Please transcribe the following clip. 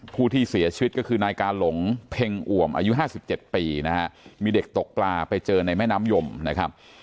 ผู้ที่เสียชีวิตก็คือนายกาหลงเพ็งอ่วมอายุ๕๗ปีนะฮะมีเด็กตกปลาไปเจอในแม่น้ำยมนะครับ